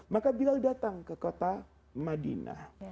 maka bilal datang ke kota madinah